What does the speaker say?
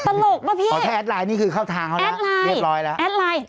ตลกปะพี่แอดไลน์นี่คือเข้าทางเขาแล้วเรียบร้อยแล้วแอดไลน์แอดไลน์